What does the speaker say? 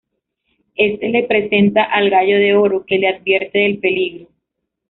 Este le presenta al Gallo de oro que le advierte del peligro.